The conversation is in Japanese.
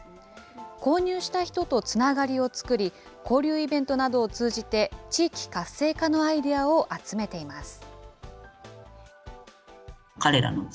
購入した人とつながりをつくり、交流イベントなどを通じて、地域活性化のアイデアを集めています。